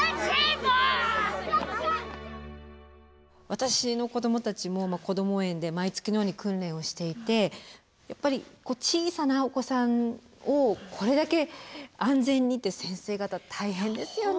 私の子どもたちもこども園で毎月のように訓練をしていてやっぱり小さなお子さんをこれだけ安全にって先生方大変ですよね。